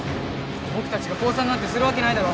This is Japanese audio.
ぼくたちがこうさんなんてするわけないだろ！